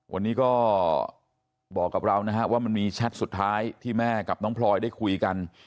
วันนี้ก็บอกกับเรานะฮะว่ามันมีแชทสุดท้ายที่แม่กับน้องพลอยได้คุยกัน